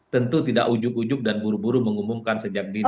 tentu tidak ujuk ujug dan buru buru mengumumkan sejak dini